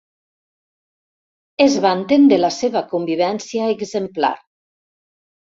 Es vanten de la seva convivència exemplar.